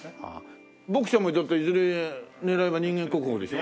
僕ちゃんもだっていずれ狙いは人間国宝でしょ？